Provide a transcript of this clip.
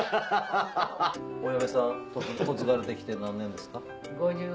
お嫁さん嫁がれてきて何年ですか？